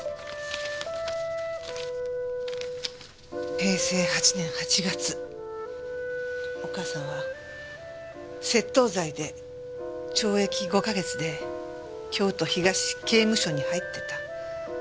平成８年８月お母さんは窃盗罪で懲役５か月で京都東刑務所に入ってた。